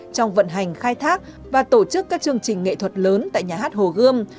trong vận hành khai thác và tổ chức các chương trình nghệ thuật lớn tại nhà hát hồ gươm